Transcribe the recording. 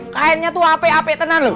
kainnya tuh ap ap tenar loh